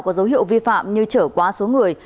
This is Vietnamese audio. có dấu hiệu vi phạm như chở quá số người